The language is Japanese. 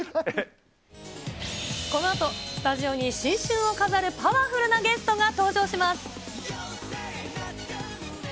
このあとスタジオに新春を飾るパワフルなゲストが登場します。